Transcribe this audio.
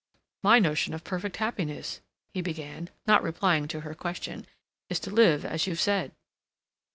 "My notion of perfect happiness," he began, not replying to her question, "is to live as you've said."